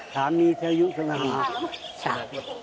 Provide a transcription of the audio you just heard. แถมมีอยู่อีกต่างหากแถมมีสรุปอีกต่างหาก